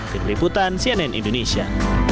dari liputan cnn indonesia